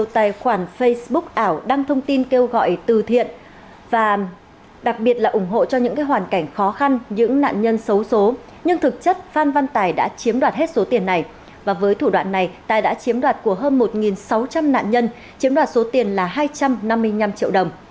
tài đã chiếm đoạt hết số tiền này và với thủ đoạn này tài đã chiếm đoạt của hơn một sáu trăm linh nạn nhân chiếm đoạt số tiền là hai trăm năm mươi năm triệu đồng